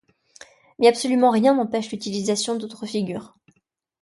Mais absolument rien n'empêche l'utilisation d'autres figures.